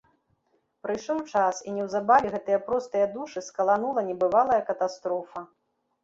Прыйшоў час, і неўзабаве гэтыя простыя душы скаланула небывалая катастрофа.